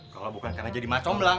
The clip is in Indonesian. kalo bukan kena jadi macom lang